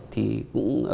thì cũng không có nước